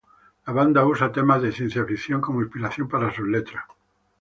La banda usa temas de ciencia ficción como inspiración para sus letras.